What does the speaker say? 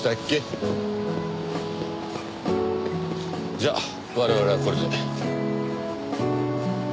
じゃあ我々はこれで。